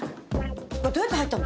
これどうやって入ったの？